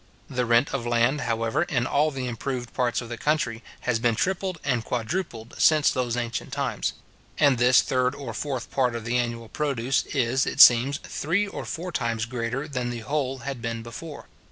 The rent of land, however, in all the improved parts of the country, has been tripled and quadrupled since those ancient times; and this third or fourth part of the annual produce is, it seems, three or four times greater than the whole had been before.